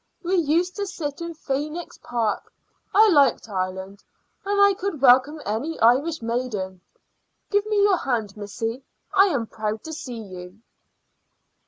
We used to sit in Phoenix Park. I liked Ireland, and I could welcome any Irish maiden. Give me your hand, missy; I am proud to see you."